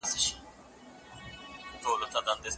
موږ اجازه لرو چي په خپل هېواد کي سوله راولو.